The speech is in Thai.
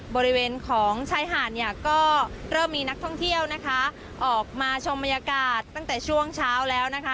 บริเวณของชายหาดเนี่ยก็เริ่มมีนักท่องเที่ยวนะคะออกมาชมบรรยากาศตั้งแต่ช่วงเช้าแล้วนะคะ